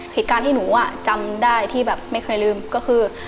เหตุการณ์ที่หนูอ่ะจำได้ที่แบบไม่เคยลืมก็คือ